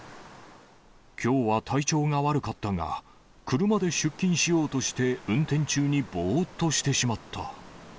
きょうは体調が悪かったが、車で出勤しようとして、運転中にぼーっとしてしまった。